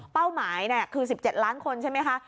หมายคือ๑๗ล้านคนใช่ไหมคะ